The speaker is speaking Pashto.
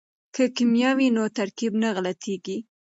که کیمیا وي نو ترکیب نه غلطیږي.